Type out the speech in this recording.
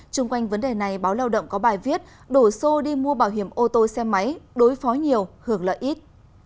trung quanh vấn đề này báo lao động có bài viết đổ xô đi mua bảo hiểm ô tô xe máy đối phó nhiều hưởng lợi ít